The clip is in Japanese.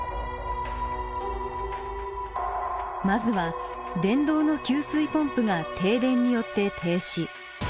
まずは電動の給水ポンプが停電によって停止。